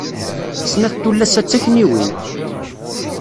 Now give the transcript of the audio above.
Snat n tullas-a d takniwin.